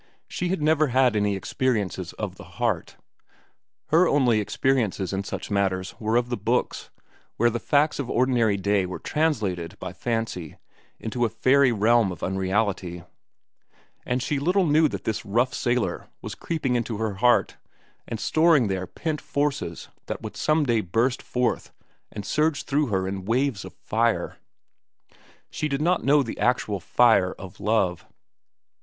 She had never had any experiences of the heart. Her only experiences in such matters were of the books, where the facts of ordinary day were translated by fancy into a fairy realm of unreality; and she little knew that this rough sailor was creeping into her heart and storing there pent forces that would some day burst forth and surge through her in waves of fire. She did not know the actual fire of love.